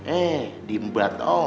eh di mbak toh